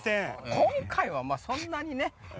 今回はそんなにね。